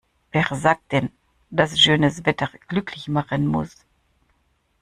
Wer sagt denn, dass schönes Wetter glücklich machen muss?